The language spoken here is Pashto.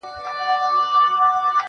چا منلی چا له یاده دی ایستلی-